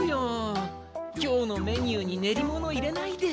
今日のメニューに練り物入れないで。